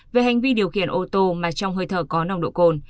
về hành vi điều khiển ô tô mà trong hơi thở có nồng độ cồn